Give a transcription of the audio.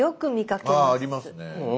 あありますね。